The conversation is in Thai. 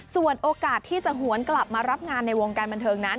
ส่วนโอกาสที่จะหวนกลับมารับงานในวงการบันเทิงนั้น